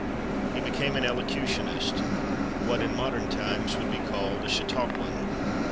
He became an elocutionist—what, in modern times, would be called a chautauquan.